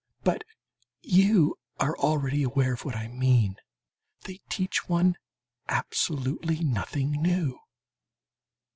But you are already aware of what I mean: they teach one absolutely nothing new.